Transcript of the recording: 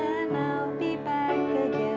mbak desi nyanyi